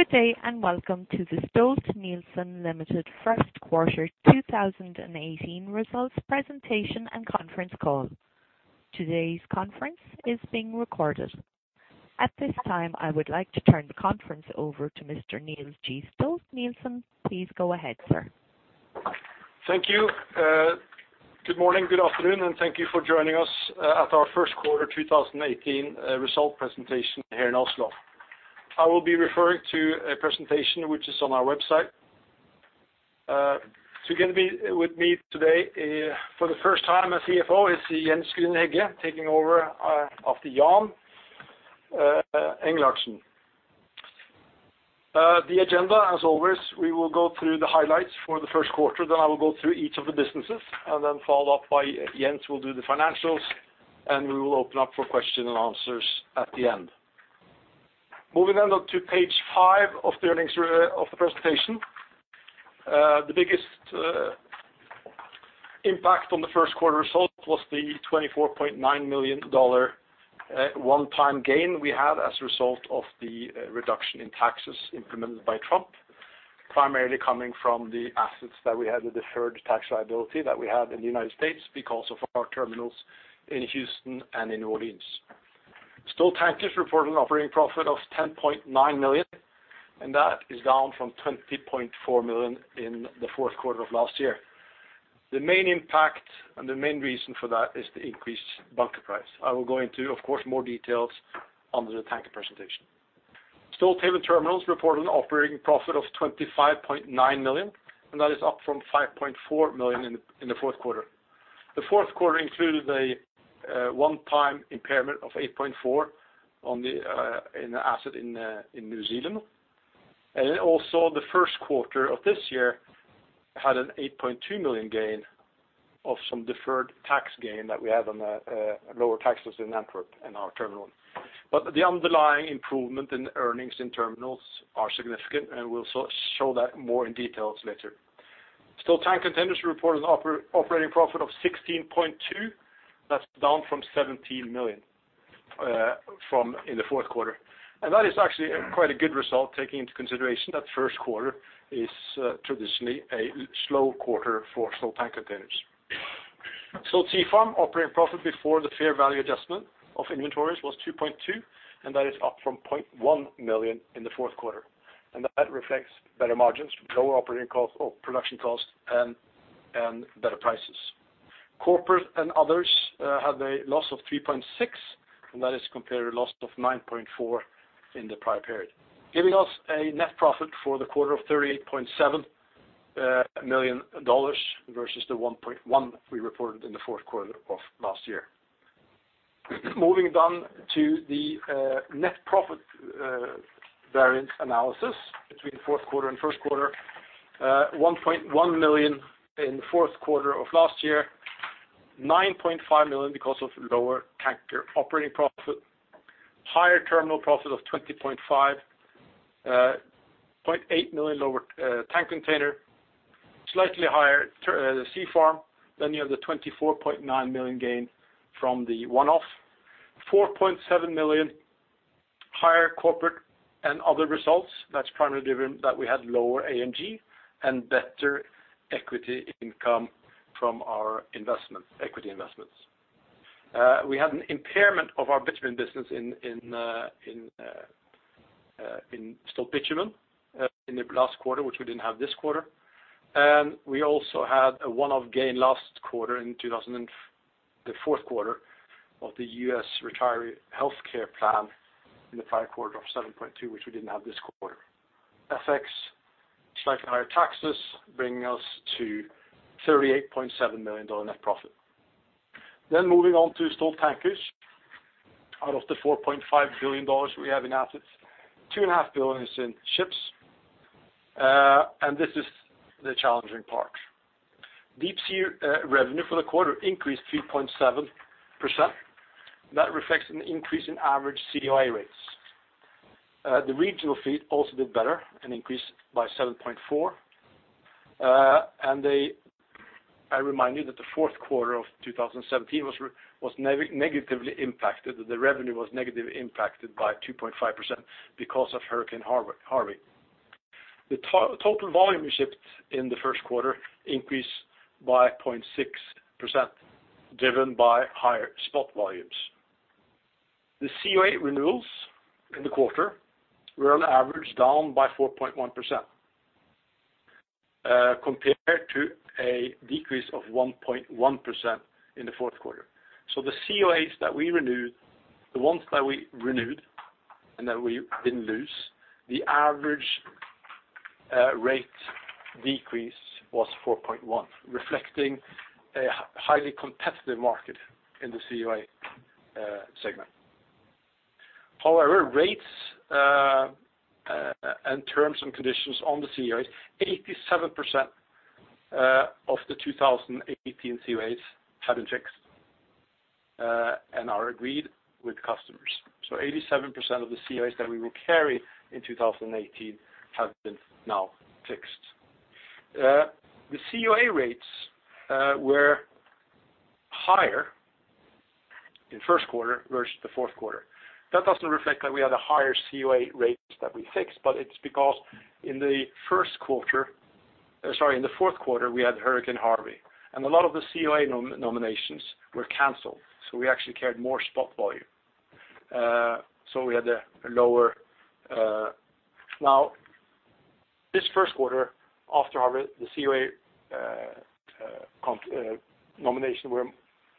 Good day and welcome to the Stolt-Nielsen Limited first quarter 2018 results presentation and conference call. Today's conference is being recorded. At this time, I would like to turn the conference over to Mr. Niels G. Stolt-Nielsen. Please go ahead, sir. Thank you. Good morning, good afternoon, and thank you for joining us at our first quarter 2018 result presentation here in Oslo. I will be referring to a presentation which is on our website. Again, with me today for the first time as CFO is Jens Grüner-Hegge taking over after Jan Engelhardtsen. The agenda, as always, we will go through the highlights for the first quarter, I will go through each of the businesses, followed up by Jens who will do the financials, and we will open up for question and answers at the end. Moving on to page five of the presentation. The biggest impact on the first quarter results was the $24.9 million one-time gain we had as a result of the reduction in taxes implemented by Trump, primarily coming from the assets that we had, the deferred tax liability that we had in the United States because of our terminals in Houston and in New Orleans. Stolt Tankers reported an operating profit of $10.9 million, and that is down from $20.4 million in the fourth quarter of last year. The main impact and the main reason for that is the increased bunker price. I will go into, of course, more details under the tanker presentation. Stolthaven Terminals reported an operating profit of $25.9 million, and that is up from $5.4 million in the fourth quarter. The fourth quarter included a one-time impairment of $8.4 in the asset in New Zealand. Also the first quarter of this year had an $8.2 million gain of some deferred tax gain that we had on lower taxes in Antwerp in our terminal. The underlying improvement in earnings in terminals are significant, and we'll show that more in details later. Stolt Tank Containers reported an operating profit of $16.2. That's down from $17 million from in the fourth quarter. That is actually quite a good result, taking into consideration that first quarter is traditionally a slow quarter for Stolt Tank Containers. Stolt Sea Farm operating profit before the fair value adjustment of inventories was $2.2, and that is up from $0.1 million in the fourth quarter. That reflects better margins, lower operating cost or production cost, and better prices. Corporate and others had a loss of $3.6 million, and that is compared a loss of $9.4 million in the prior period. Giving us a net profit for the quarter of $38.7 million versus the $1.1 million we reported in the fourth quarter of last year. Moving down to the net profit variance analysis between the fourth quarter and first quarter. $1.1 million in the fourth quarter of last year, $9.5 million because of lower Tanker operating profit, higher Terminal profit of $20.5 million, $0.8 million lower Tank Container, slightly higher Sea Farm. You have the $24.9 million gain from the one-off, $4.7 million higher corporate and other results. That's primarily driven that we had lower A&G and better equity income from our equity investments. We had an impairment of our bitumen business in Stolt Bitumen in the last quarter, which we didn't have this quarter. We also had a one-off gain last quarter in the fourth quarter of the U.S. retiree healthcare plan in the prior quarter of $7.2 million, which we didn't have this quarter. FX, slightly higher taxes, bringing us to $38.7 million net profit. Moving on to Stolt Tankers. Out of the $4.5 billion we have in assets, $2.5 billion is in ships. This is the challenging part. Deep sea revenue for the quarter increased 3.7%. That reflects an increase in average COA rates. The regional fleet also did better and increased by 7.4%. I remind you that the fourth quarter of 2017 was negatively impacted, the revenue was negatively impacted by 2.5% because of Hurricane Harvey. The total volume we shipped in the first quarter increased by 0.6%, driven by higher spot volumes. The COA renewals in the quarter were on average down by 4.1%, compared to a decrease of 1.1% in the fourth quarter. The COAs that we renewed, the ones that we renewed and that we didn't lose, the average rate decrease was 4.1%, reflecting a highly competitive market in the COA segment. However, rates and terms and conditions on the COAs, 87% of the 2018 COAs have been fixed and are agreed with customers. 87% of the COAs that we will carry in 2018 have been now fixed. The COA rates were higher In first quarter versus the fourth quarter. That doesn't reflect that we had higher COA rates that we fixed, but it's because in the fourth quarter, we had Hurricane Harvey, and a lot of the COA nominations were canceled, we actually carried more spot volume. We had a lower Now, this first quarter after Harvey, the COA nominations were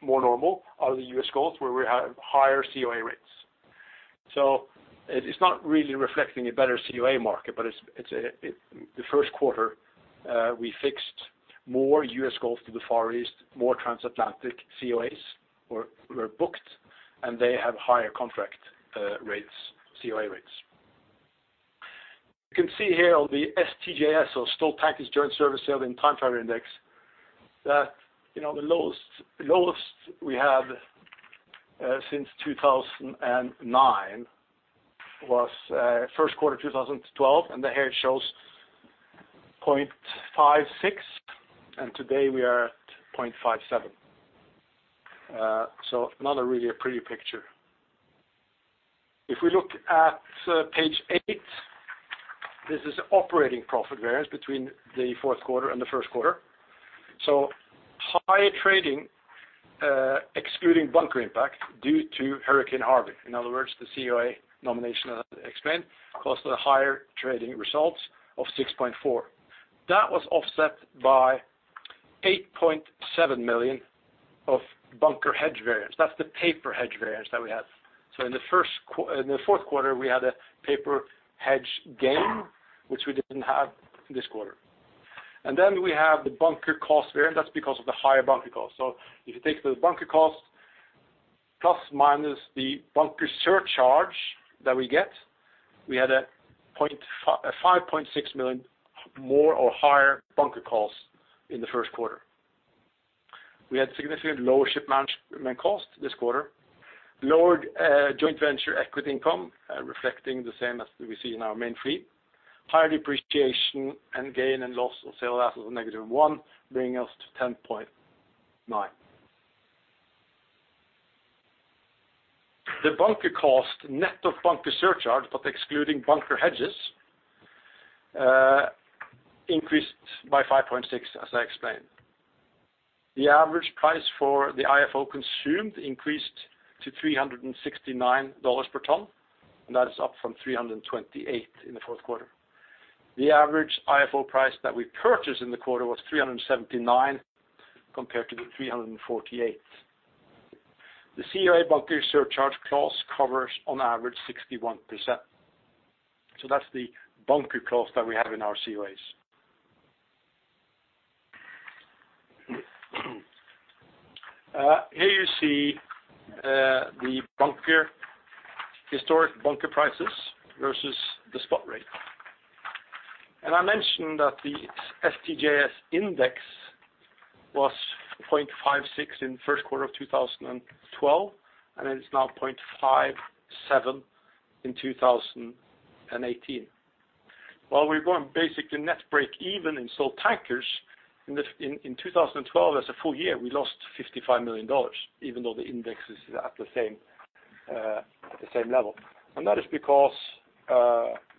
more normal out of the U.S. Gulf, where we have higher COA rates. It is not really reflecting a better COA market, but the first quarter we fixed more U.S. Gulf to the Far East, more transatlantic COAs were booked and they have higher contract rates, COA rates. You can see here on the STJS or Stolt Tankers Joint Service Survey and Time Charter Index that the lowest we have since 2009 was first quarter 2012, and here it shows 0.56, and today we are at 0.57. Not really a pretty picture. If we look at page eight, this is operating profit variance between the fourth quarter and the first quarter. Higher trading, excluding bunker impact, due to Hurricane Harvey. In other words, the COA nomination I explained caused the higher trading results of $6.4. That was offset by $8.7 million of bunker hedge variance. That is the paper hedge variance that we had. In the fourth quarter, we had a paper hedge gain, which we did not have this quarter. We have the bunker cost variance. That is because of the higher bunker cost. If you take the bunker cost, plus or minus the bunker surcharge that we get, we had a $5.6 million more or higher bunker cost in the first quarter. We had significantly lower ship management cost this quarter. Lower joint venture equity income, reflecting the same as we see in our main fleet. Higher depreciation and gain and loss on sale of assets of -$1, bringing us to $10.9. The bunker cost net of bunker surcharge, but excluding bunker hedges, increased by $5.6, as I explained. The average price for the IFO consumed increased to $369 per ton, and that is up from $328 in the fourth quarter. The average IFO price that we purchased in the quarter was $379 compared to the $348. The COA bunker surcharge clause covers on average 61%. That is the bunker clause that we have in our COAs. Here you see the historic bunker prices versus the spot rate. I mentioned that the STJS index was 0.56 in the first quarter of 2012, and it is now 0.57 in 2018. While we were basically net break even in Stolt Tankers, in 2012 as a full year, we lost $55 million, even though the index is at the same level. That is because,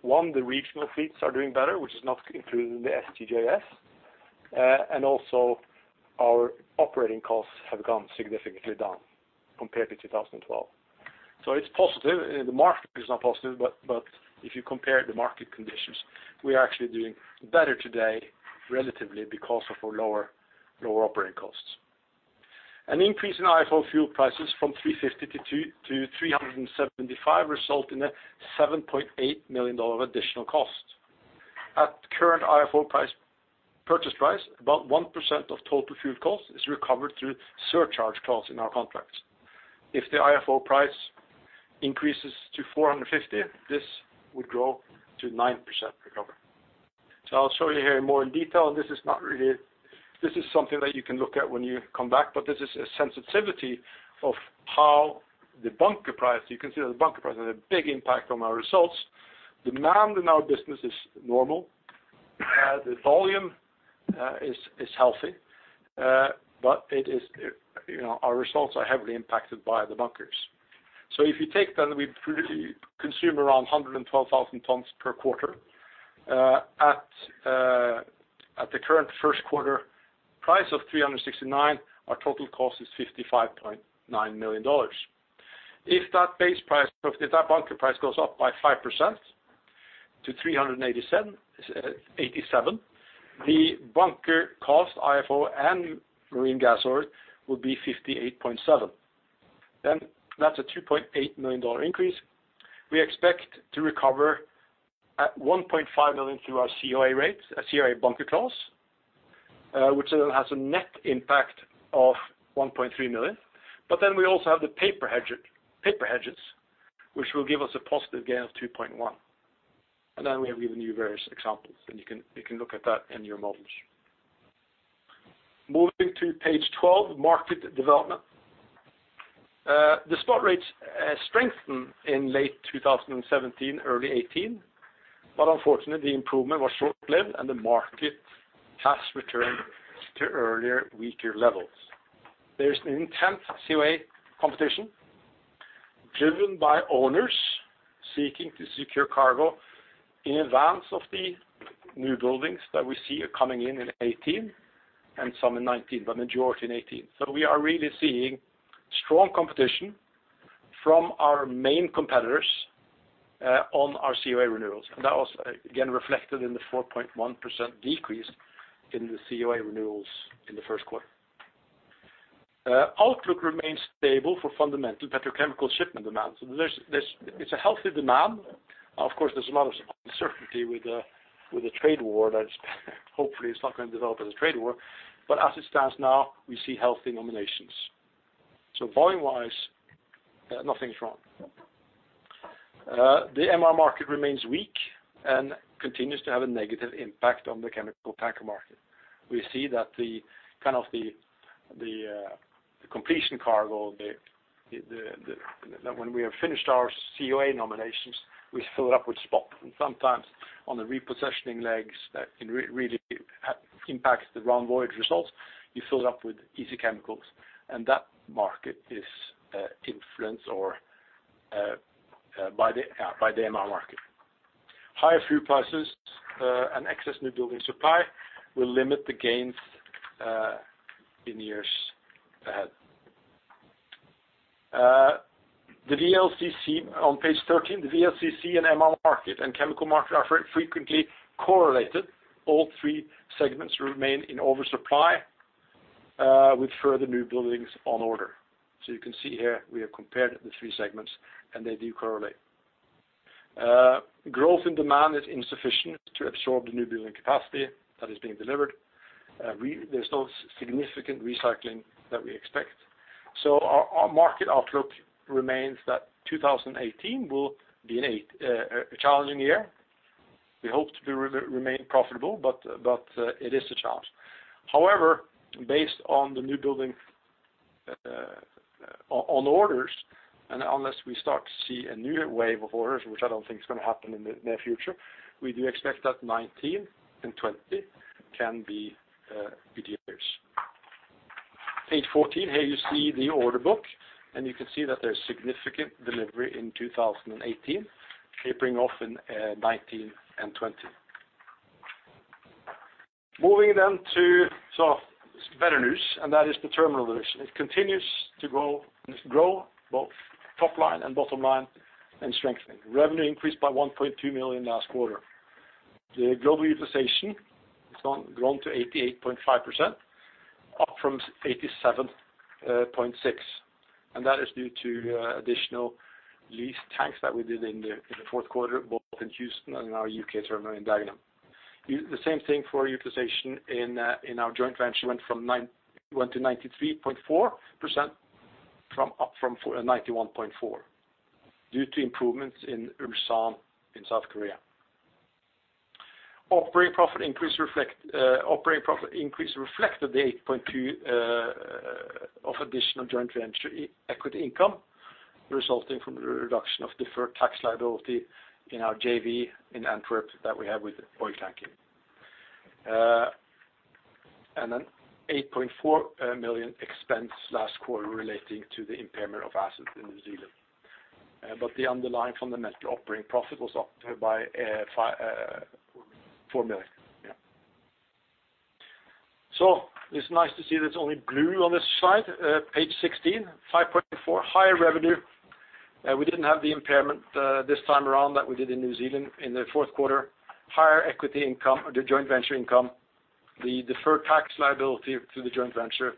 one, the regional fleets are doing better, which is not included in the STJS. Also our operating costs have gone significantly down compared to 2012. It is positive. The market is not positive, but if you compare the market conditions, we are actually doing better today relatively because of our lower operating costs. An increase in IFO fuel prices from $350-$375 result in a $7.8 million additional cost. At current IFO purchase price, about 1% of total fuel cost is recovered through surcharge clause in our contracts. If the IFO price increases to $450, this would grow to 9% recovery. I will show you here in more detail. This is something that you can look at when you come back, this is a sensitivity of how the bunker price, you can see that the bunker price has a big impact on our results. Demand in our business is normal. The volume is healthy. Our results are heavily impacted by the bunkers. If you take that we consume around 112,000 tons per quarter. At the current first quarter price of $369, our total cost is $55.9 million. If that bunker price goes up by 5% to $387, the bunker cost, IFO and marine gas oil, will be $58.7. That is a $2.8 million increase. We expect to recover $1.5 million through our COA bunker clause, which has a net impact of $1.3 million. We also have the paper hedges, which will give us a positive gain of $2.1. We have given you various examples, and you can look at that in your models. Moving to page 12, market development. The spot rates strengthened in late 2017, early 2018. Unfortunately, improvement was short-lived and the market has returned to earlier weaker levels. There is an intense COA competition driven by owners seeking to secure cargo in advance of the new buildings that we see are coming in in 2018 and some in 2019, but majority in 2018. We are really seeing strong competition from our main competitors on our COA renewals. That was again reflected in the 4.1% decrease in the COA renewals in the first quarter. Outlook remains stable for fundamental petrochemical shipment demands. It is a healthy demand. Of course, there is a lot of uncertainty with the trade war that hopefully is not going to develop as a trade war, but as it stands now, we see healthy nominations. Volume wise, nothing is wrong. The MR market remains weak and continues to have a negative impact on the chemical tanker market. We see that the completion cargo, when we have finished our COA nominations, we fill it up with spot. Sometimes on the repositioning legs, that can really impact the round voyage results. You fill it up with easy chemicals, and that market is influenced by the MR market. Higher fuel prices, and excess new building supply will limit the gains in years ahead. On page 13, the VLCC and MR market and chemical market are very frequently correlated. All three segments remain in oversupply, with further new buildings on order. You can see here we have compared the three segments and they do correlate. Growth and demand is insufficient to absorb the new building capacity that is being delivered. There is no significant recycling that we expect. Our market outlook remains that 2018 will be a challenging year. We hope to remain profitable, but it is a challenge. However, based on the new building on orders, and unless we start to see a new wave of orders, which I do not think is going to happen in the near future, we do expect that 2019 and 2020 can be good years. Page 14. Here you see the order book, and you can see that there is significant delivery in 2018, tapering off in 2019 and 2020. Moving to some better news, and that is the terminal division. It continues to grow both top line and bottom line and strengthening. Revenue increased by $1.2 million last quarter. The global utilization has grown to 88.5%, up from 87.6%, and that is due to additional lease tanks that we did in the fourth quarter, both in Houston and in our U.K. terminal in Dagenham. The same thing for utilization in our joint venture, went to 93.4% up from 91.4% due to improvements in Ulsan in South Korea. Operating profit increase reflected the $8.2 million of additional joint venture equity income resulting from the reduction of deferred tax liability in our JV in Antwerp that we have with Oiltanking. $8.4 million expense last quarter relating to the impairment of assets in New Zealand. The underlying fundamental operating profit was up by. $4 million. $4 million. It's nice to see there's only blue on this slide. Page 16, $5.4 higher revenue. We didn't have the impairment this time around that we did in New Zealand in the fourth quarter. Higher equity income or the joint venture income, the deferred tax liability to the joint venture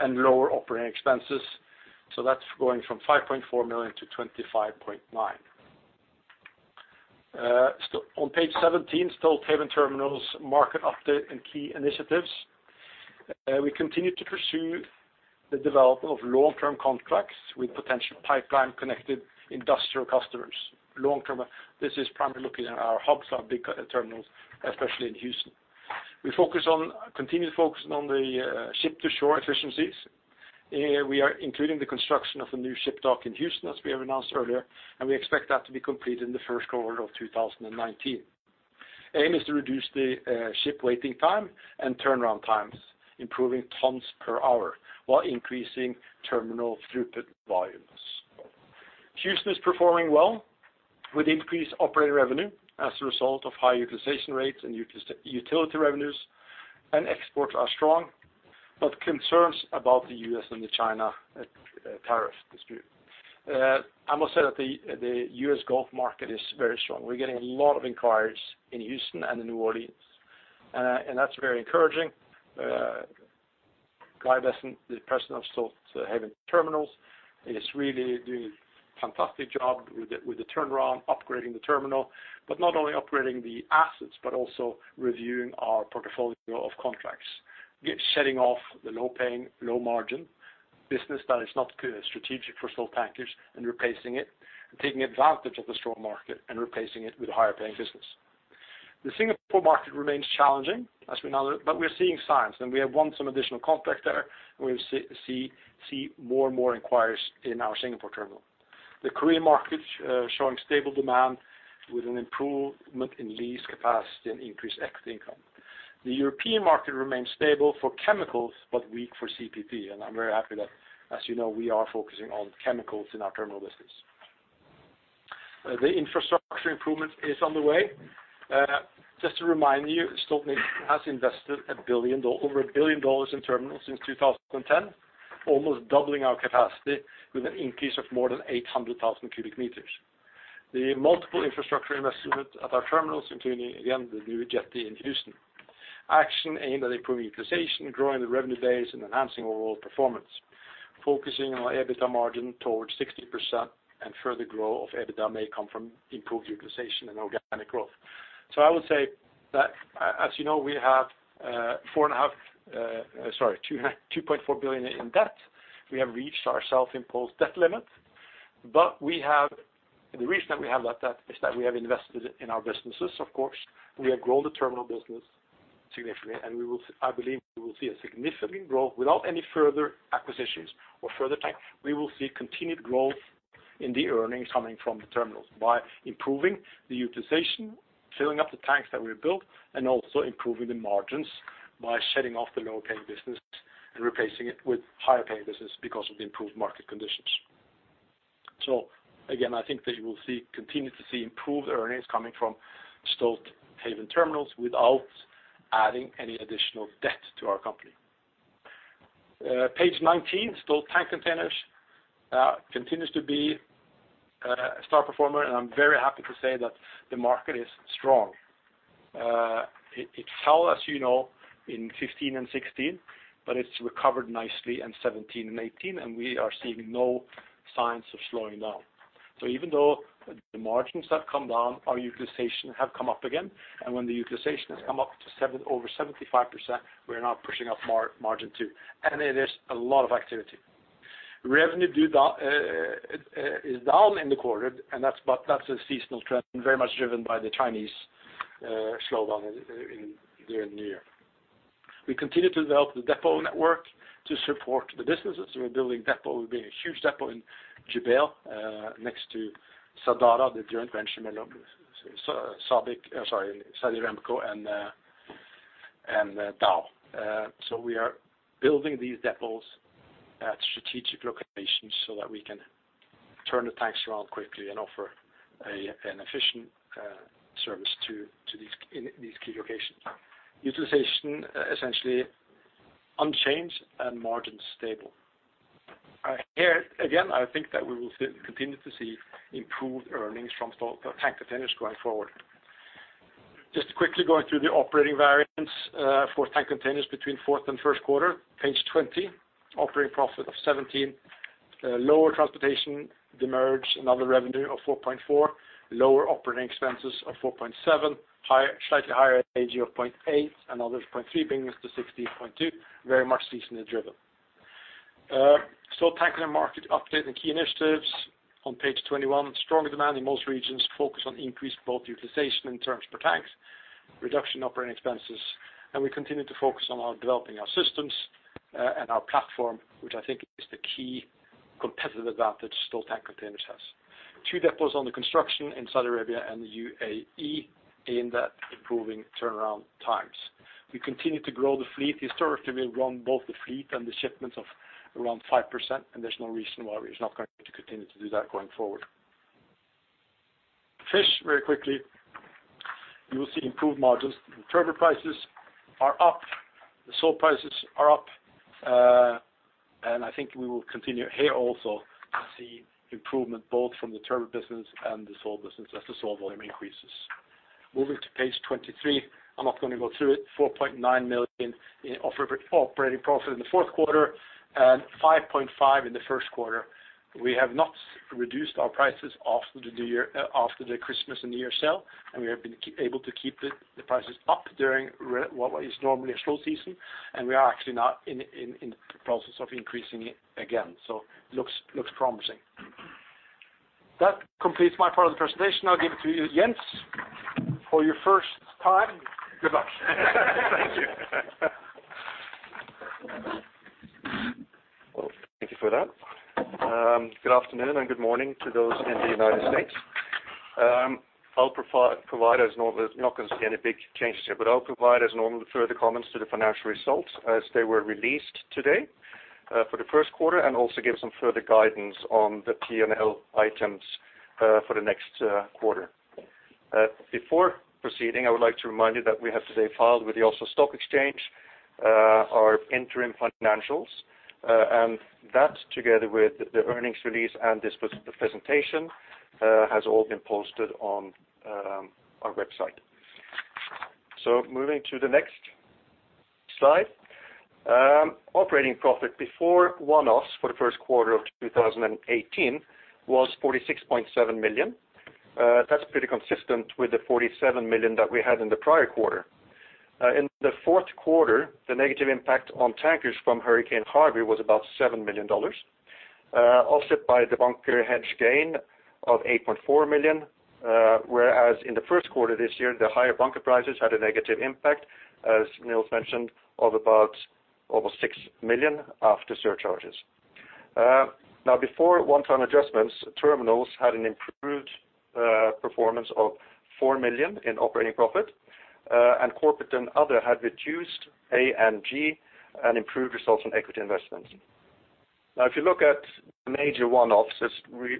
and lower operating expenses. That's going from $5.4 million to $25.9. On page 17, Stolthaven Terminals market update and key initiatives. We continue to pursue the development of long-term contracts with potential pipeline connected industrial customers. Long-term, this is primarily looking at our hubs, our big terminals, especially in Houston. We continue to focus on the ship-to-shore efficiencies. Here we are including the construction of a new ship dock in Houston, as we have announced earlier, and we expect that to be completed in the first quarter of 2019. Aim is to reduce the ship waiting time and turnaround times, improving tons per hour while increasing terminal throughput volumes. Houston is performing well with increased operating revenue as a result of high utilization rates and utility revenues and exports are strong. Concerns about the U.S. and the China tariff dispute. I must say that the U.S. Gulf market is very strong. We're getting a lot of inquiries in Houston and in New Orleans, and that's very encouraging. Guy Bessant, the President of Stolthaven Terminals is really doing a fantastic job with the turnaround, upgrading the terminal, but not only upgrading the assets, but also reviewing our portfolio of contracts. Shedding off the low paying, low margin business that is not strategic for Stolthaven and replacing it and taking advantage of the strong market and replacing it with higher paying business. The Singapore market remains challenging, as we know, we are seeing signs, we have won some additional contracts there, we see more and more inquiries in our Singapore terminal. The Korean market is showing stable demand with an improvement in lease capacity and increased equity income. The European market remains stable for chemicals, but weak for CPP. I'm very happy that, as you know, we are focusing on chemicals in our terminal business. The infrastructure improvement is on the way. Just to remind you, Stolt-Nielsen has invested over $1 billion in terminals since 2010, almost doubling our capacity with an increase of more than 800,000 cubic meters. The multiple infrastructure investments at our terminals, including, again, the new jetty in Houston. Action aimed at improving utilization, growing the revenue base, and enhancing overall performance. Focusing on our EBITDA margin towards 60% and further growth of EBITDA may come from improved utilization and organic growth. I would say that, as you know, we have $2.4 billion in debt. We have reached our self-imposed debt limit. The reason that we have that debt is that we have invested in our businesses, of course, and we have grown the terminal business significantly. I believe we will see a significant growth without any further acquisitions or further tanks. We will see continued growth in the earnings coming from the terminals by improving the utilization, filling up the tanks that we built, and also improving the margins by shedding off the low-paying business and replacing it with higher-paying business because of the improved market conditions. Again, I think that you will continue to see improved earnings coming from Stolthaven Terminals without adding any additional debt to our company. Page 19, Stolt Tank Containers continues to be a star performer, and I'm very happy to say that the market is strong. It fell, as you know, in 2015 and 2016, but it's recovered nicely in 2017 and 2018, and we are seeing no signs of slowing down. Even though the margins have come down, our utilization have come up again. When the utilization has come up to over 75%, we are now pushing up margin too. There is a lot of activity. Revenue is down in the quarter, but that's a seasonal trend, very much driven by the Chinese slowdown during the year. We continue to develop the depot network to support the businesses. We are building a huge depot in Jubail next to Sadara, the joint venture between Saudi Aramco and Dow. We are building these depots at strategic locations so that we can turn the tanks around quickly and offer an efficient service in these key locations. Utilization, essentially unchanged and margins stable. Here, again, I think that we will continue to see improved earnings from Stolt Tank Containers going forward. Just quickly going through the operating variance for tank containers between fourth and first quarter, page 20. Operating profit of $17, lower transportation demurrage and other revenue of $4.4, lower operating expenses of $4.7, slightly higher A&G of $0.8 and others $0.3, bringing us to $16.2, very much seasonally driven. Stolt Tankers market update and key initiatives on page 21. Strong demand in most regions, focus on increased both utilization and terms per tank, reduction operating expenses, and we continue to focus on developing our systems and our platform, which I think is the key competitive advantage Stolt Tank Containers has. Two depots under construction in Saudi Arabia and the U.A.E., aimed at improving turnaround times. We continue to grow the fleet. Historically, we run both the fleet and the shipments of around 5%, and there's no reason why we're not going to continue to do that going forward. Fish, very quickly. You will see improved margins. The turbot prices are up, the sole prices are up. I think we will continue here also to see improvement both from the turbot business and the sole business as the sole volume increases. Moving to page 23. I'm not going to go through it. $4.9 million in operating profit in the fourth quarter and $5.5 million in the first quarter. We have not reduced our prices after the Christmas and New Year sale, and we have been able to keep the prices up during what is normally a slow season, and we are actually now in the process of increasing it again. Looks promising. That completes my part of the presentation. I'll give it to you, Jens, for your first time. Good luck. Thank you. Well, thank you for that. Good afternoon, and good morning to those in the United States. Not going to see any big changes here, but I'll provide as normal further comments to the financial results as they were released today for the first quarter, and also give some further guidance on the P&L items for the next quarter. Before proceeding, I would like to remind you that we have today filed with the Oslo Stock Exchange our interim financials. That, together with the earnings release and this presentation has all been posted on our website. Moving to the next slide. Operating profit before one-offs for the first quarter of 2018 was $46.7 million. That's pretty consistent with the $47 million that we had in the prior quarter. In the fourth quarter, the negative impact on tankers from Hurricane Harvey was about $7 million, offset by the bunker hedge gain of $8.4 million. Whereas in the first quarter this year, the higher bunker prices had a negative impact, as Niels mentioned, of about over $6 million after surcharges. Now before one-time adjustments, terminals had an improved performance of $4 million in operating profit, and corporate and other had reduced A&G and improved results on equity investments. Now if you look at the major one-offs, as we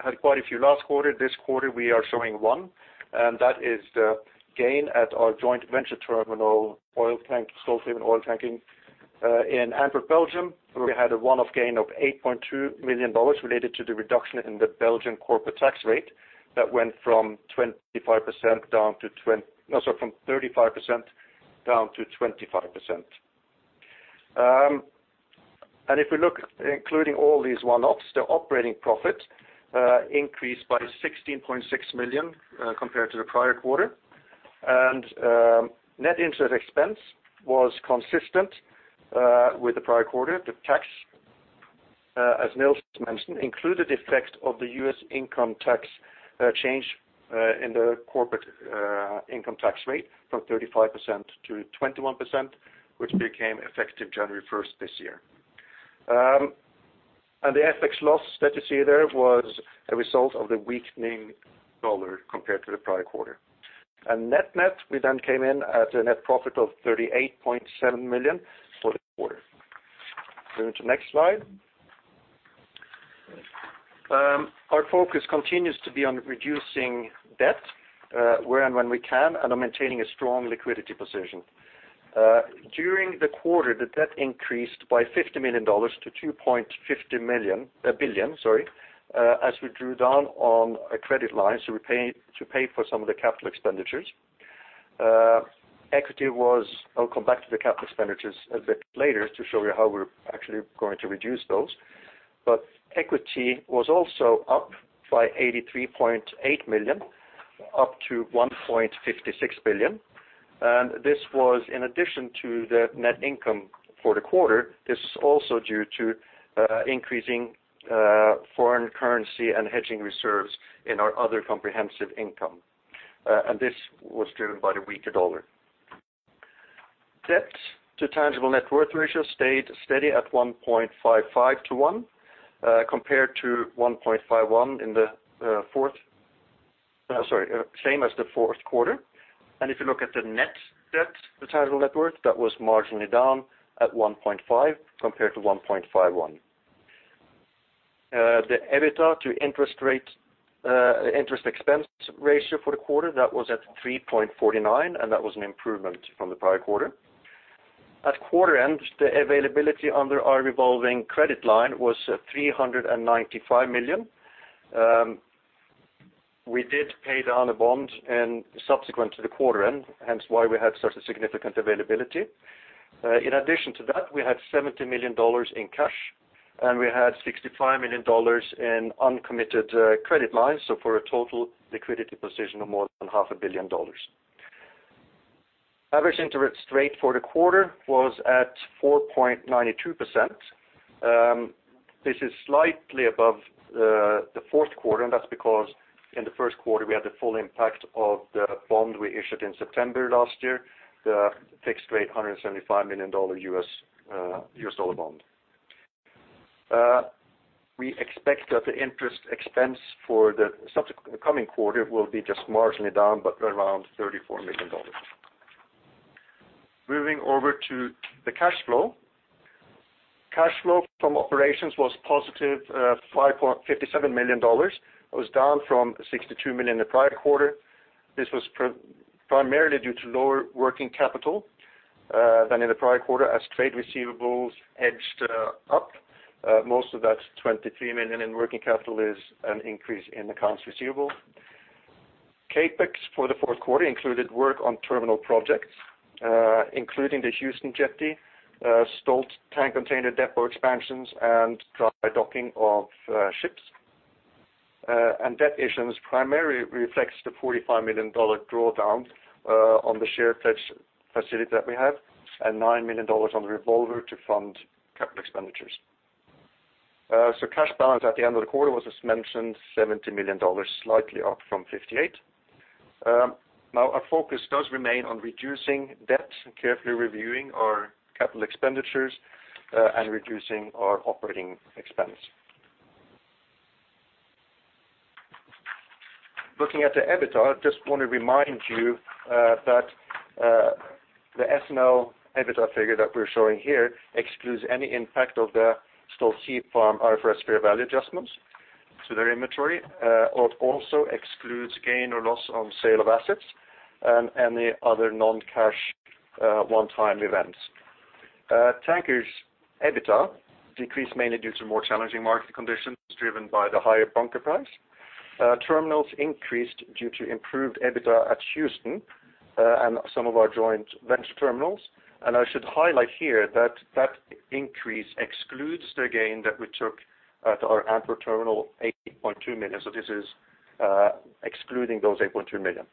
had quite a few last quarter, this quarter we are showing one, and that is the gain at our joint venture terminal, Oiltanking Stolthaven Antwerp, Belgium, where we had a one-off gain of $8.2 million related to the reduction in the Belgian corporate tax rate that went from 35% down to 25%. If we look including all these one-offs, the operating profit increased by $16.6 million compared to the prior quarter. Net interest expense was consistent with the prior quarter. The tax, as Niels mentioned, included effect of the U.S. income tax change in the corporate income tax rate from 35% to 21%, which became effective January 1st this year. The FX loss that you see there was a result of the weakening dollar compared to the prior quarter. Net-net, we then came in at a net profit of $38.7 million for the quarter. Moving to the next slide. Our focus continues to be on reducing debt where and when we can and on maintaining a strong liquidity position. During the quarter, the debt increased by $50 million to $2.50 billion, as we drew down on a credit line to pay for some of the capital expenditures. I'll come back to the capital expenditures a bit later to show you how we're actually going to reduce those. Equity was also up by $83.8 million, up to $1.56 billion. This was in addition to the net income for the quarter. This is also due to increasing foreign currency and hedging reserves in our other comprehensive income. This was driven by the weaker dollar. Debt to tangible net worth ratio stayed steady at 1.55 to 1 compared to 1.51. Sorry, same as the fourth quarter. If you look at the net debt to tangible net worth, that was marginally down at 1.5 compared to 1.51. The EBITDA to interest expense ratio for the quarter, that was at 3.49, and that was an improvement from the prior quarter. At quarter end, the availability under our revolving credit line was $395 million. We did pay down a bond subsequent to the quarter end, hence why we have such a significant availability. In addition to that, we had $70 million in cash, and we had $65 million in uncommitted credit lines, so for a total liquidity position of more than half a billion dollars. Average interest rate for the quarter was at 4.92%. This is slightly above the fourth quarter, and that's because in the first quarter we had the full impact of the bond we issued in September last year, the fixed rate $175 million U.S. dollar bond. We expect that the interest expense for the coming quarter will be just marginally down, but around $34 million. Moving over to the cash flow. Cash flow from operations was positive $57 million. It was down from $62 million the prior quarter. This was primarily due to lower working capital than in the prior quarter as trade receivables hedged up. Most of that $23 million in working capital is an increase in accounts receivable. CapEx for the fourth quarter included work on terminal projects, including the Houston jetty, Stolt Tank Containers depot expansions, and dry docking of ships. Debt issuance primarily reflects the $45 million drawdown on the share pledge facility that we have and $9 million on the revolver to fund capital expenditures. Cash balance at the end of the quarter was, as mentioned, $70 million, slightly up from $58 million. Our focus does remain on reducing debt and carefully reviewing our capital expenditures and reducing our operating expense. Looking at the EBITDA, I just want to remind you that the SNL EBITDA figure that we are showing here excludes any impact of the Stolt Sea Farm IFRS fair value adjustments to their inventory. It also excludes gain or loss on sale of assets and any other non-cash one-time events. Tankers EBITDA decreased mainly due to more challenging market conditions driven by the higher bunker price. Terminals increased due to improved EBITDA at Houston and some of our joint venture terminals. I should highlight here that that increase excludes the gain that we took at our Antwerp terminal, $8.2 million. This is excluding those $8.2 million.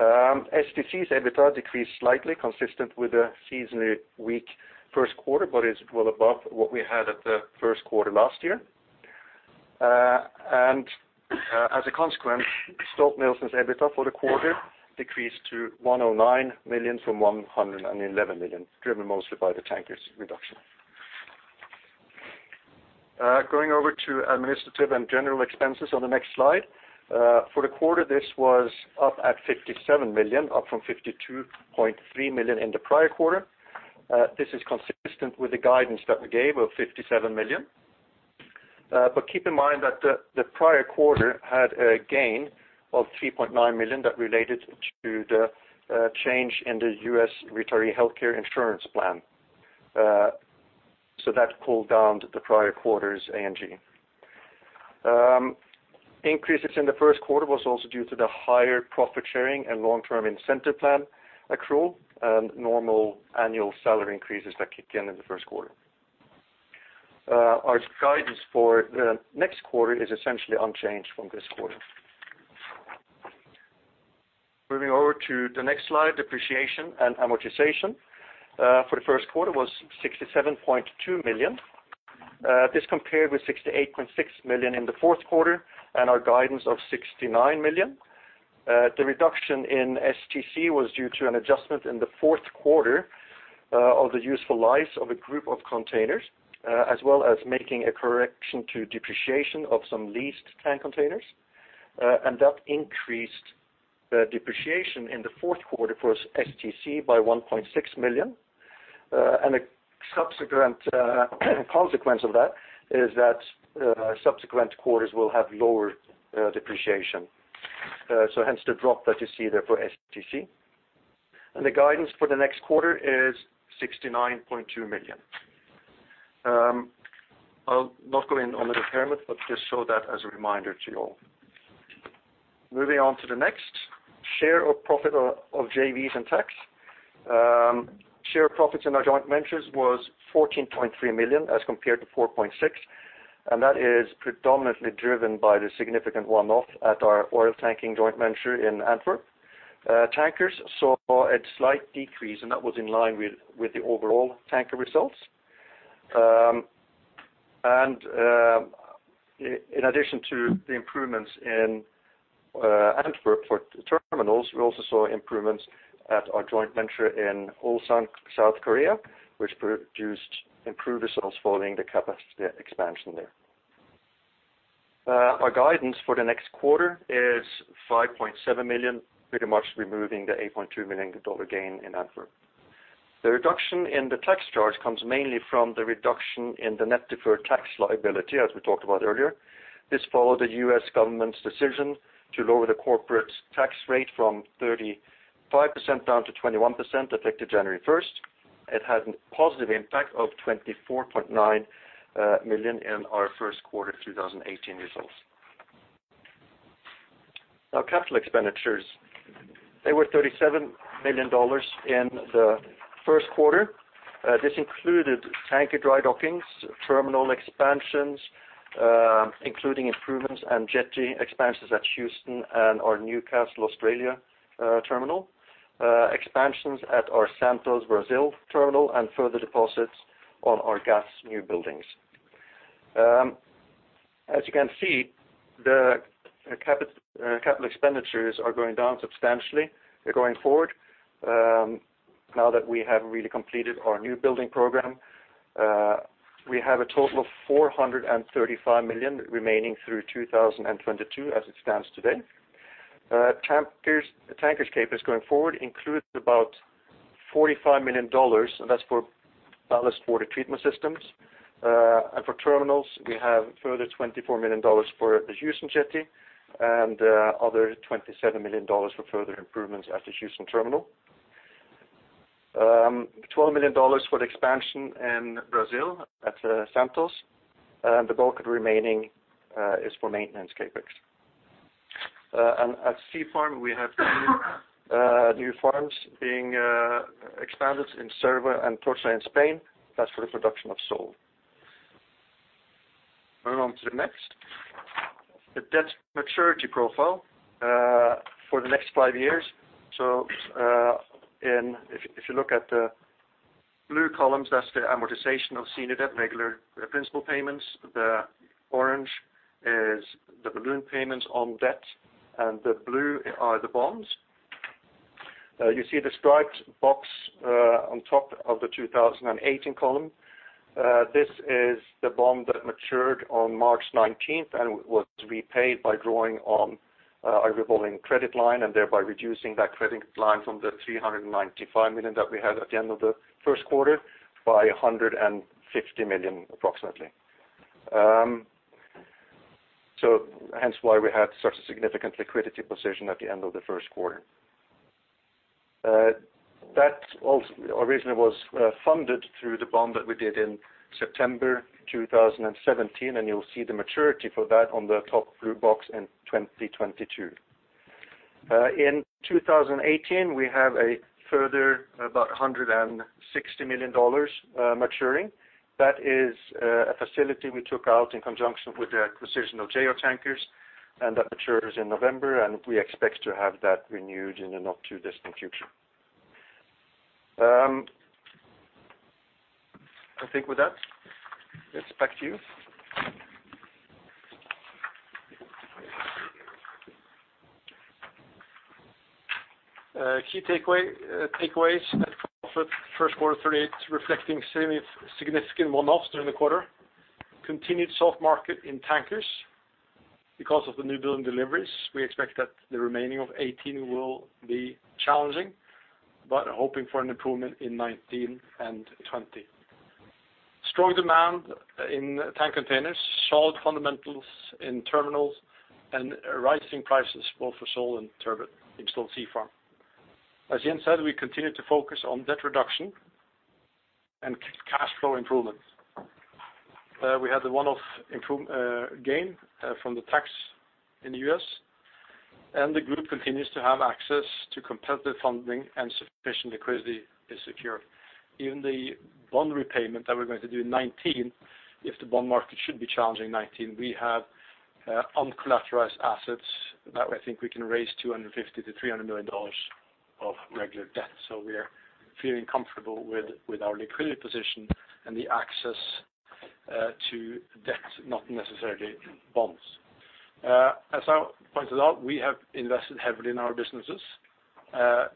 STC's EBITDA decreased slightly, consistent with a seasonally weak first quarter, but is well above what we had at the first quarter last year. As a consequence, Stolt-Nielsen's EBITDA for the quarter decreased to $109 million from $111 million, driven mostly by the tankers reduction. Going over to Administrative and General expenses on the next slide. For the quarter, this was up at $57 million, up from $52.3 million in the prior quarter. This is consistent with the guidance that we gave of $57 million. But keep in mind that the prior quarter had a gain of $3.9 million that related to the change in the U.S. retiree healthcare insurance plan. So that pulled down the prior quarter's A&G. Increases in the first quarter was also due to the higher profit sharing and long-term incentive plan accrual and normal annual salary increases that kick in the first quarter. Our guidance for the next quarter is essentially unchanged from this quarter. Moving over to the next slide, depreciation and amortization for the first quarter was $67.2 million. This compared with $68.6 million in the fourth quarter and our guidance of $69 million. The reduction in STC was due to an adjustment in the fourth quarter of the useful lives of a group of containers, as well as making a correction to depreciation of some leased tank containers. That increased the depreciation in the fourth quarter for STC by $1.6 million. A subsequent consequence of that is that subsequent quarters will have lower depreciation. Hence the drop that you see there for STC. The guidance for the next quarter is $69.2 million. I'll not go in on the impairment, but just show that as a reminder to you all. Moving on to the next. Share of profit of JVs and tax. Share profits in our joint ventures was $14.3 million as compared to $4.6, that is predominantly driven by the significant one-off at our Oiltanking joint venture in Antwerp. Tankers saw a slight decrease, that was in line with the overall tanker results. In addition to the improvements in Antwerp for terminals, we also saw improvements at our joint venture in Ulsan, South Korea, which produced improved results following the capacity expansion there. Our guidance for the next quarter is $5.7 million, pretty much removing the $8.2 million gain in Antwerp. The reduction in the tax charge comes mainly from the reduction in the net deferred tax liability, as we talked about earlier. This followed the U.S. government's decision to lower the corporate tax rate from 35% down to 21%, effective January 1st. It had a positive impact of $24.9 million in our first quarter 2018 results. Capital expenditures. They were $37 million in the first quarter. This included tanker dry dockings, terminal expansions, including improvements and jetty expansions at Houston and our Newcastle, Australia terminal, expansions at our Santos, Brazil terminal, and further deposits on our gas new buildings. As you can see, the capital expenditures are going down substantially going forward. Now that we have really completed our new building program, we have a total of $435 million remaining through 2022 as it stands today. Tankers CapEx going forward includes about $45 million, that's for ballast water treatment systems. For terminals, we have a further $24 million for the Houston jetty and other $27 million for further improvements at the Houston terminal. $12 million for the expansion in Brazil at Santos, the bulk remaining is for maintenance CapEx. At Stolt Sea Farm, we have new farms being expanded in Cervo and Tortosa, in Spain. That is for the production of sole. Moving on to the next. The debt maturity profile for the next five years. If you look at the blue columns, that is the amortization of senior debt, regular principal payments. The orange is the balloon payments on debt, and the blue are the bonds. You see the striped box on top of the 2018 column. This is the bond that matured on March 19th and was repaid by drawing on a revolving credit line and thereby reducing that credit line from the $395 million that we had at the end of the first quarter by $150 million, approximately. Hence why we had such a significant liquidity position at the end of the first quarter. That originally was funded through the bond that we did in September 2017, and you will see the maturity for that on the top blue box in 2022. In 2018, we have a further about $160 million maturing. That is a facility we took out in conjunction with the acquisition of Jo Tankers, and that matures in November, and we expect to have that renewed in the not too distant future. I think with that, it is back to you. Key takeaways. Net profit first quarter $38 million, reflecting significant one-offs during the quarter. Continued soft market in tankers because of the new building deliveries. We expect that the remaining of 2018 will be challenging, but hoping for an improvement in 2019 and 2020. Strong demand in tank containers, solid fundamentals in terminals, and rising prices both for sole and turbot in Stolt Sea Farm. As Jens said, we continue to focus on debt reduction and cash flow improvement. We had a one-off gain from the tax in the U.S., the group continues to have access to competitive funding and sufficient liquidity is secure. Even the bond repayment that we are going to do in 2019, if the bond market should be challenging in 2019, we have uncollateralized assets that I think we can raise $250 million-$300 million of regular debt. We are feeling comfortable with our liquidity position and the access to debt, not necessarily bonds. As I pointed out, we have invested heavily in our businesses. As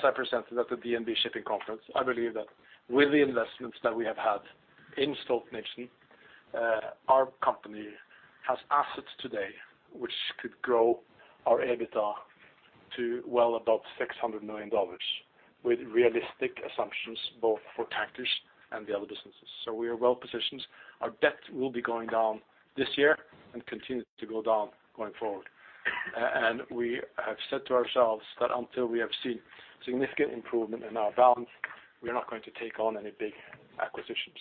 I presented at the DNB Shipping Conference, I believe that with the investments that we have had in Stolt-Nielsen, our company has assets today which could grow our EBITDA to well above $600 million with realistic assumptions both for tankers and the other businesses. We are well positioned. We have said to ourselves that until we have seen significant improvement in our balance, we are not going to take on any big acquisitions.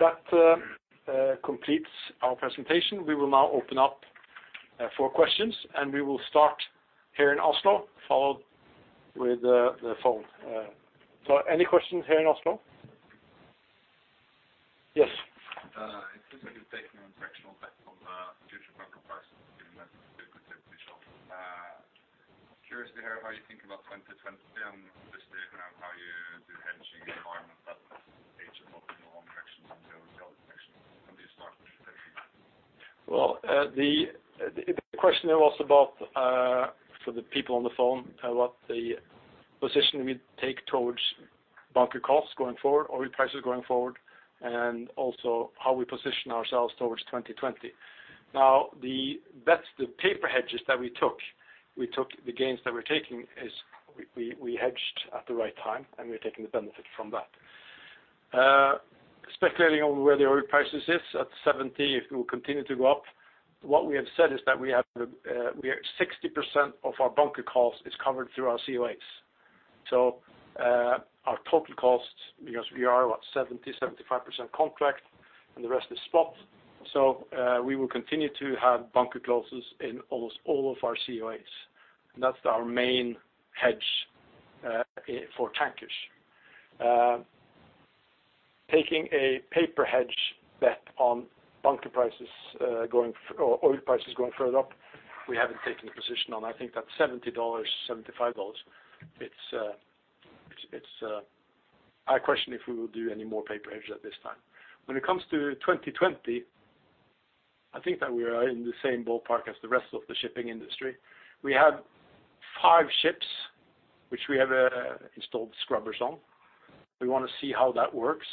That completes our presentation. We will now open up for questions, and we will start here in Oslo, followed with the phone. Any questions here in Oslo? Yes. It seems like you're taking a transactional bet on the future bunker prices given that you could potentially shop. Curious to hear how you think about 2020 and the state around how you do hedging in an environment that's aged both in the one direction and the other direction. Can you start with that? The question there was about, for the people on the phone, about the position we take towards bunker costs going forward, oil prices going forward, and also how we position ourselves towards 2020. That's the paper hedges that we took. We took the gains that we're taking is we hedged at the right time. We're taking the benefit from that. Speculating on where the oil price is at $70, if it will continue to go up. We have said is that we have 60% of our bunker costs is covered through our COAs. Our total costs, because we are what, 70%, 75% contract. The rest is spot. We will continue to have bunker clauses in almost all of our COAs. That's our main hedge for Stolt Tankers. Taking a paper hedge bet on oil prices going further up, we haven't taken a position on. I think that $70-$75, I question if we will do any more paper hedge at this time. When it comes to 2020, I think that we are in the same ballpark as the rest of the shipping industry. We have five ships which we have installed scrubbers on. We want to see how that works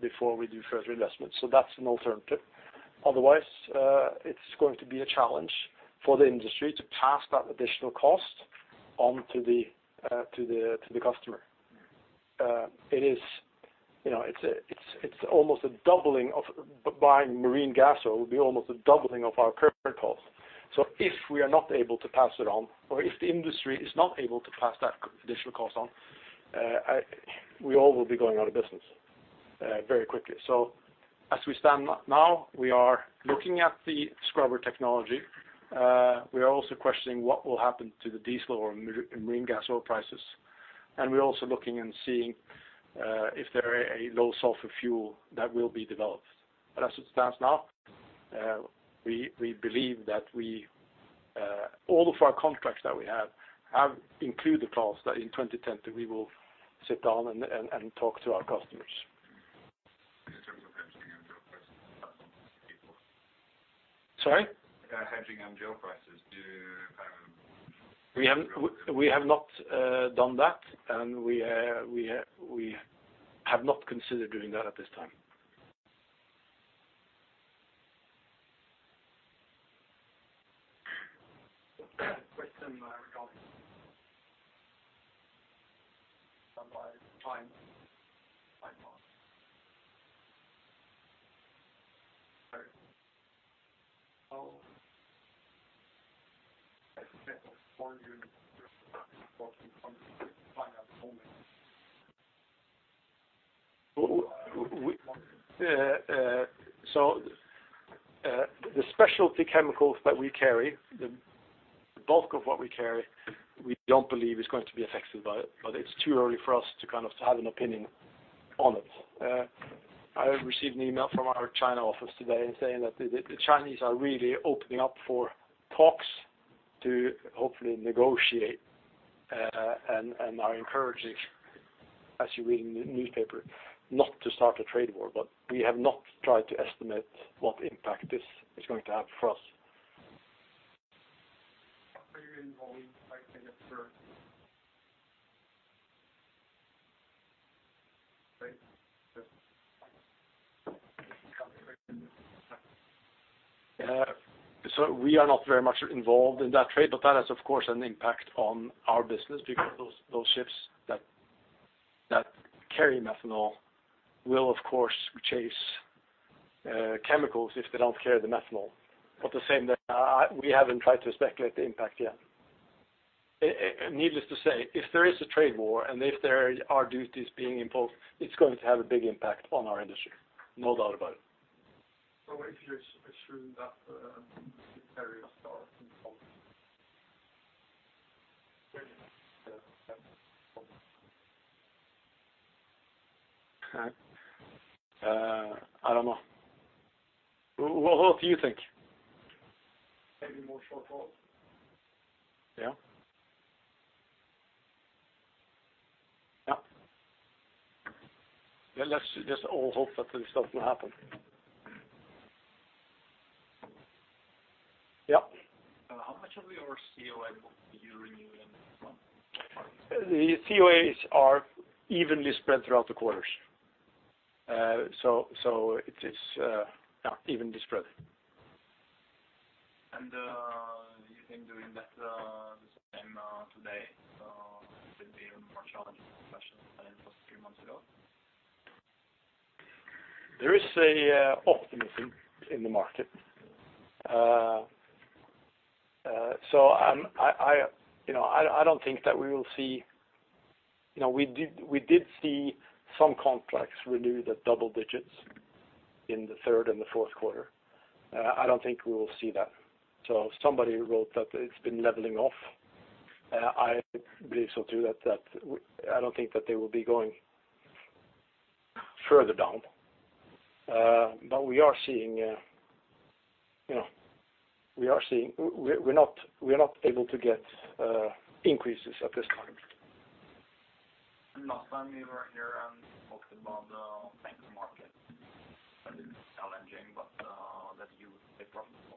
before we do further investments. That's an alternative. Otherwise, it's going to be a challenge for the industry to pass that additional cost on to the customer. Buying marine gas oil will be almost a doubling of our current costs. If we are not able to pass it on, or if the industry is not able to pass that additional cost on, we all will be going out of business very quickly. As we stand now, we are looking at the scrubber technology. We are also questioning what will happen to the diesel or marine gas oil prices. We are also looking and seeing if there is a low sulfur fuel that will be developed. As it stands now, we believe that all of our contracts that we have have included clause that in 2020 we will sit down and talk to our customers. In terms of hedging on gasoil prices. Sorry? Hedging on gasoil prices. Do you plan on We have not done that, and we have not considered doing that at this time. Question regarding supplied time. How four units final moment? The specialty chemicals that we carry, the bulk of what we carry, we don't believe is going to be affected by it, but it's too early for us to have an opinion on it. I received an email from our China office today saying that the Chinese are really opening up for talks to hopefully negotiate, and are encouraging, as you read in the newspaper, not to start a trade war. We have not tried to estimate what impact this is going to have for us. How are you involved in methanol trade? We are not very much involved in that trade, but that has, of course, an impact on our business because those ships that carry methanol will, of course, chase chemicals if they don't carry the methanol. The same, we haven't tried to speculate the impact yet. Needless to say, if there is a trade war and if there are duties being imposed, it's going to have a big impact on our industry, no doubt about it. if you assume that the tariffs are involved. I don't know. What do you think? Maybe more short haul. Yeah. Yeah. Let's just all hope that this stuff will happen. Yeah. How much of your COA did you renew in this one? The COAs are evenly spread throughout the quarters. It is evenly spread. You've been doing that the same today, it will be even more challenging than it was three months ago? There is an optimism in the market. I don't think that we will see. We did see some contracts renew the double digits in the third and the fourth quarter. I don't think we will see that. Somebody wrote that it's been leveling off. I believe so, too. I don't think that they will be going further down. We are not able to get increases at this time. Last time you were here and talked about the tank market, that it was challenging, that you would stay profitable.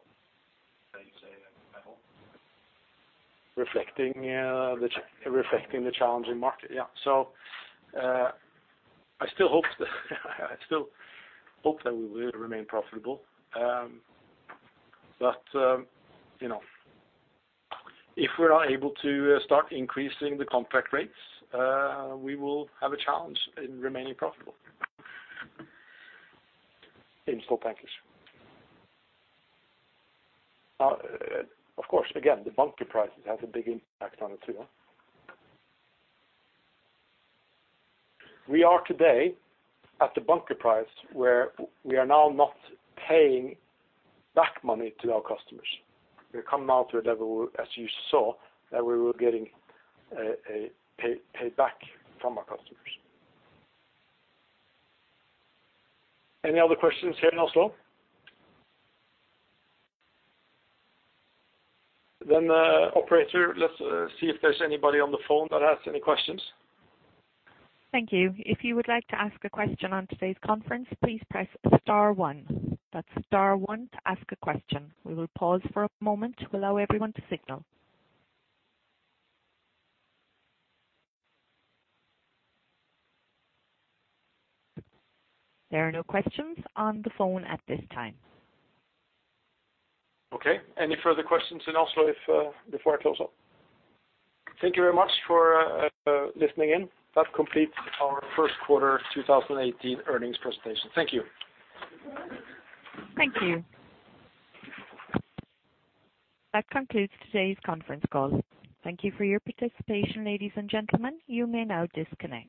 Now you say, "I hope. Reflecting the challenging market, yeah. I still hope that we will remain profitable. If we are not able to start increasing the contract rates, we will have a challenge in remaining profitable in Stolt Tankers. Of course, again, the bunker prices have a big impact on it, too. We are today at the bunker price where we are now not paying back money to our customers. We have come now to a level, as you saw, that we were getting a payback from our customers. Any other questions here in Oslo? Operator, let's see if there's anybody on the phone that has any questions. Thank you. If you would like to ask a question on today's conference, please press star one. That's star one to ask a question. We will pause for a moment to allow everyone to signal. There are no questions on the phone at this time. Okay. Any further questions in Oslo before I close up? Thank you very much for listening in. That completes our first quarter 2018 earnings presentation. Thank you. Thank you. That concludes today's conference call. Thank you for your participation, ladies and gentlemen. You may now disconnect.